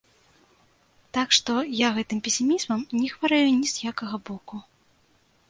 Так што, я гэтым песімізмам не хварэю ні з якога боку.